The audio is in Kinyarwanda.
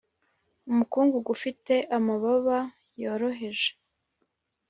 umukungugu ufite amababa yoroheje.